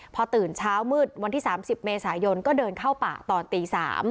พอตื่นเช้ามืดวันที่๓๐เมษายนก็เดินเข้าป่าตอนตี๓